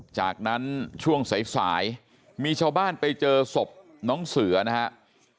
จากนั้นช่วงสายมีชาวบ้านไปเจอศพน้องเสือนะครับ